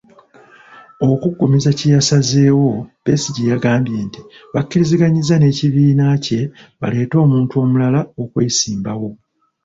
Okuggumiza kye yasazzeewo, Besigye yagambye nti, bakkiriziganyizza n’ekibiina kye baleete omuntu omulala okwesimbawo.